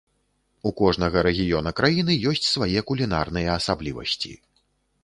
У кожнага рэгіёна краіны ёсць свае кулінарныя асаблівасці.